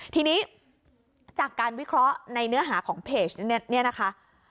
ทีนี้จากการวิเคราะห์ในเนื้อหาของเพจเนี่ยนะคะ